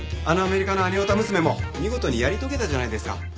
あのアメリカのアニオタ娘も見事にやり遂げたじゃないですか。